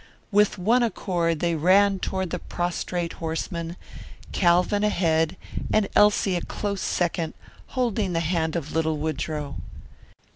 With one accord they ran toward the prostrate horseman, Calvin ahead and Elsie a close second, holding the hand of little Woodrow.